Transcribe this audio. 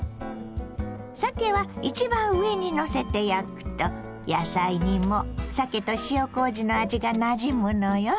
さけは一番上にのせて焼くと野菜にもさけと塩こうじの味がなじむのよ。